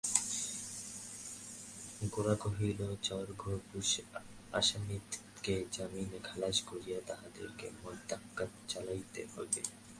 গোরা কহিল, চর-ঘোষপুরের আসামিদিগকে জামিনে খালাস করিয়া তাহাদের মকদ্দমা চালাইতে হইবে।